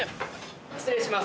失礼します。